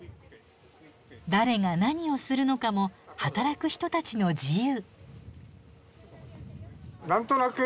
誰が何をするのかも働く人たちの自由。